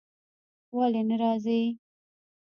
ولی نه راځی ؟